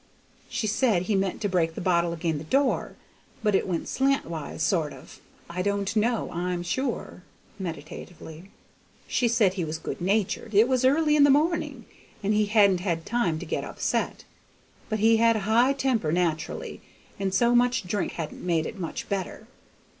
He said he meant to break the bottle ag'in the door, but it went slant wise, sort of. I don' know, I'm sure" (meditatively). "She said he was good natured; it was early in the mornin', and he hadn't had time to get upset; but he had a high temper naturally, and so much drink hadn't made it much better.